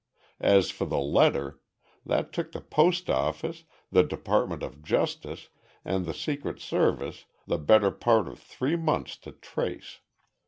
As for the letter that took the Post Office, the Department of Justice, and the Secret Service the better part of three months to trace.